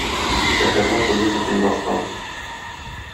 Шәһәрне куе төтен баскан.